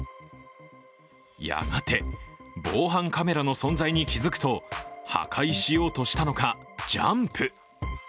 やがて防犯カメラの存在に気づくと、破壊しようとしたのかジャンプ。